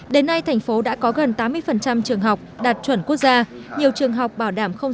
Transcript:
đến nay thành phố đã có gần tám mươi trường học đạt chuẩn quốc gia nhiều trường học bảo đảm không